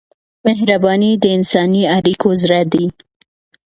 مهرباني د انساني اړیکو زړه دی.